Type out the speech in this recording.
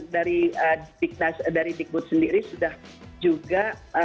dan dari dikbud sendiri sudah juga